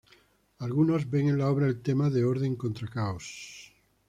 Algunos ven en la obra el tema de orden contra caos.